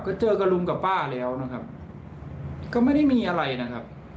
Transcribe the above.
ก็เจอกับลุงกับป้าแล้วนะครับก็ไม่ได้มีอะไรนะครับ